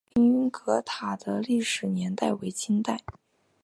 凌云阁塔的历史年代为清代。